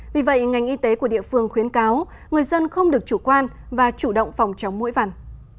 vì vậy ngành y tế của địa phương khuyến cáo người dân không được chủ quan và chủ động phòng chóng mũi vằn